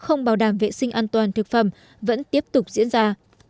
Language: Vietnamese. không bảo đảm vệ sinh an toàn thực phẩm vẫn tiếp tục diễn ra